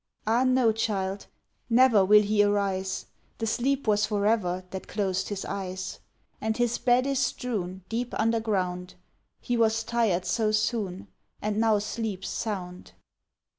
Ah no child, never Will he arise, The sleep was for ever That closed his eyes. And his bed is strewn Deep underground, He was tired so soon, And now sleeps sound.